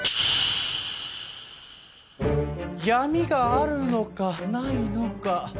闇があるのかないのか。